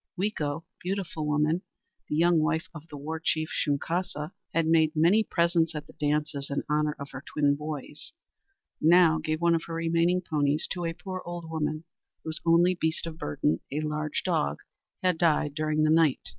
Weeko (Beautiful Woman), the young wife of the war chief Shunkaska, who had made many presents at the dances in honor of her twin boys, now gave one of her remaining ponies to a poor old woman whose only beast of burden, a large dog, had died during the night.